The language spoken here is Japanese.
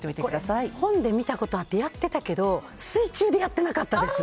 本で見たことあってやってたけど水中でやってなかったです。